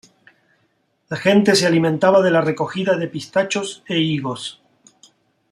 La gente se alimentaba de la recogida de pistachos e higos.